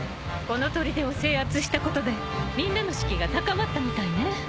このとりでを制圧したことでみんなの士気が高まったみたいね。